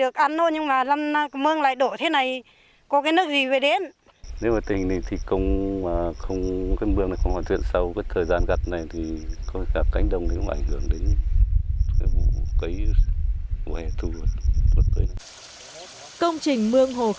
công trình mương hồ khẩu cắm